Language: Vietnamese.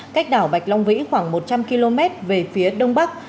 cách đảo bạch long vĩ khoảng một trăm linh km về phía đông bắc